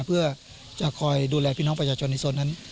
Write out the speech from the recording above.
เพื่อจะคอยดูแลพี่น้องประชาชนในโซนนั้น